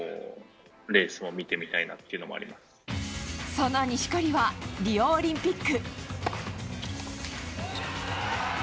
その錦織は、リオオリンピック。